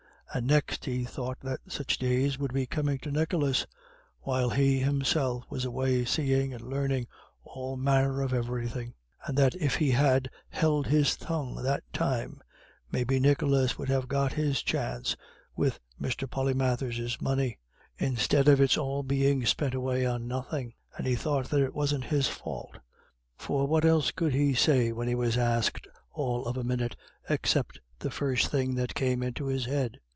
And next he thought that such days would be coming to Nicholas, while he himself was away seeing and learning "all manner of everything;" and that if he had held his tongue that time, maybe Nicholas would have got his chance with Mr. Polymathers's money, instead of its all being spent away on nothing. And he thought that it wasn't his fault, for what else could he say when he was asked all of a minute, except the first thing that came into his head?